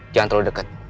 jangan terlalu dekat